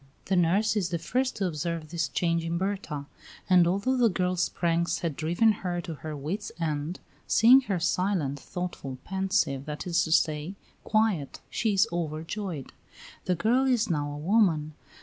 The nurse is the first to observe this change in Berta, and although the girl's pranks had driven her to her wits' end, seeing her silent, thoughtful, pensive, that is to say, quiet, she is overjoyed. The girl is now a woman.